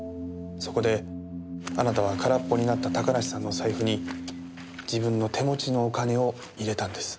そこであなたは空っぽになった高梨さんの財布に自分の手持ちのお金を入れたんです。